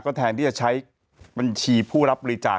แทนที่จะใช้บัญชีผู้รับบริจาค